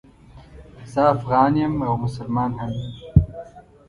زه افغان یم او مسلمان هم یم